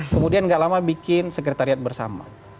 kemudian gak lama bikin sekretariat bersama